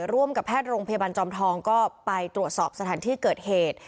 ร่วมกับแพทย์โรงพยาบาลจอมทองก็ไปตรวจสอบสถานที่เกิดเหตุ